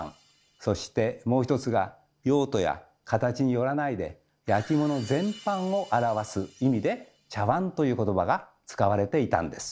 そしてもう一つが用途や形によらないで焼き物全般を表す意味で「茶わん」という言葉が使われていたんです。